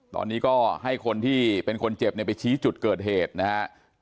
ตอนนี้ก็ให้คนที่เป็นคนเจ็บเนี่ยไปชี้จุดเกิดเหตุนะฮะ